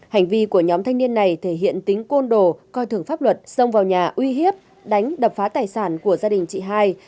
hành vi của nhóm thanh niên này thể hiện tính côn đồ coi thường pháp luật xông vào nhà uy hiếp đánh đập phá tài sản của gia đình chị hai